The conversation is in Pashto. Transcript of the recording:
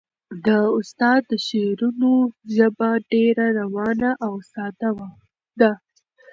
د استاد د شعرونو ژبه ډېره روانه او ساده ده.